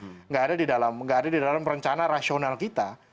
tidak ada di dalam tidak ada di dalam rencana rasional kita